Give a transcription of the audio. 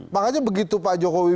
makanya begitu pak jokowi